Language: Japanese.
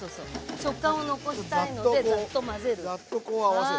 食感を残したいのでざっと混ぜる。